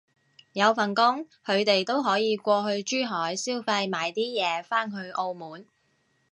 有份工，佢哋都可以過去珠海消費買啲嘢返去澳門